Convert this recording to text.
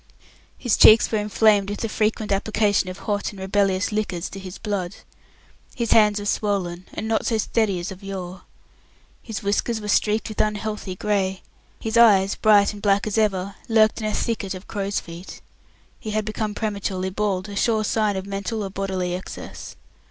His cheeks were inflamed with the frequent application of hot and rebellious liquors to his blood. His hands were swollen, and not so steady as of yore. His whiskers were streaked with unhealthy grey. His eyes, bright and black as ever, lurked in a thicket of crow's feet. He had become prematurely bald a sure sign of mental or bodily excess.